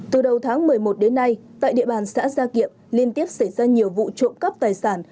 từ đầu tháng một mươi một đến nay tại địa bàn xã gia kiệm liên tiếp xảy ra nhiều vụ trộm cắp tài sản